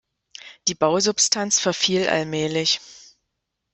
Die Bausubstanz verfiel allmählich.